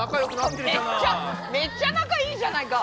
めっちゃ仲いいじゃないか！